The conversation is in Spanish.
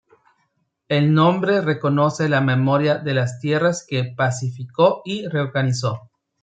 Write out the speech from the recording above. El nombre reconoce la memoria de las tierras que pacificó y reorganizó.